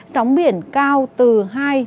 sóng biển cao từ hai ba m